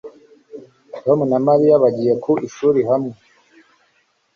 Tom na Mariya bagiye ku ishuri hamwe